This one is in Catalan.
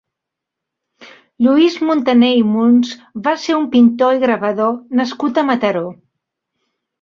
Lluís Muntané i Muns va ser un pintor i gravador nascut a Mataró.